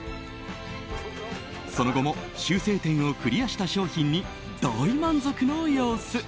その後も修正点をクリアした商品に大満足の様子。